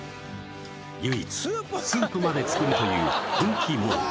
唯一スープまで作るという本気モード